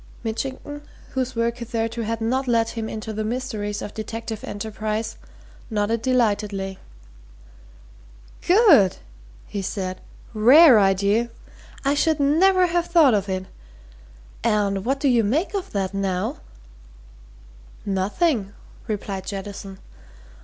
Mitchington, whose work hitherto had not led him into the mysteries of detective enterprise, nodded delightedly. "Good!" he said. "Rare idea! I should never have thought of it! And what do you make out of that, now?" "Nothing," replied Jettison.